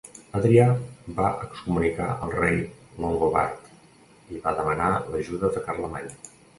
Adrià va excomunicar al rei longobard i va demanar l'ajuda de Carlemany.